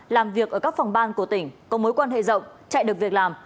làm việc ở các phòng ban của tỉnh có mối quan hệ rộng chạy được việc làm